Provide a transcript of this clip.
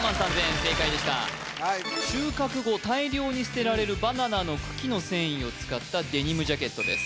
正解でした収穫後大量に捨てられるバナナの茎の繊維を使ったデニムジャケットです